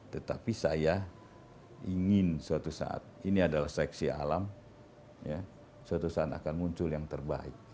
tetapi saya ingin suatu saat ini adalah seksi alam suatu saat akan muncul yang terbaik